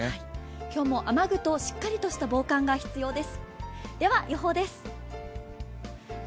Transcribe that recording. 今日も雨具としっかりした防寒が必要です。